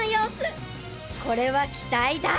［これは期待大！］